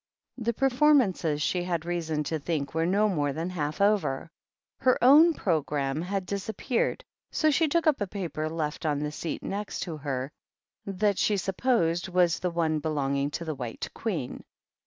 Th< performances she had reason to think were no more than half over. Her own Programme ha< disappeared, so she took up a paper left on th seat next to her that she supposed was the on belonging to the White Queen.